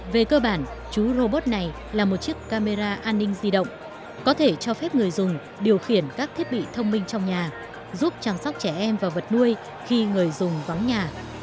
về cơ bản chú robot này là một chiếc camera an ninh di động có thể cho phép người dùng điều khiển các thiết bị thông minh trong nhà giúp chăm sóc trẻ em và vật nuôi khi người dùng vắng nhà